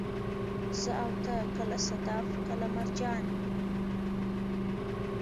زه او ته، کله صدف، کله مرجان يو